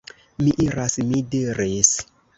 Mi iras! mi diris.